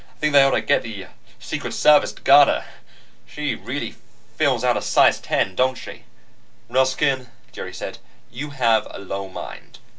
I think they ought to get the Secret Service to guard her. She really fills out a size 10, don't she?" "Ruskin," Jerry said, "you have a low mind.